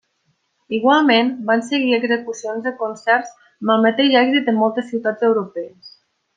Igualment, van seguir execucions de concerts amb el mateix èxit en moltes ciutats europees.